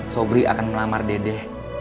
sobri akan melamar dede